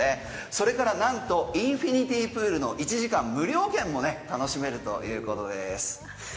それからなんとインフィニティプールの１時間無料券もあるということです。